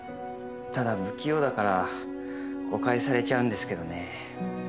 ただ不器用だから誤解されちゃうんですけどね。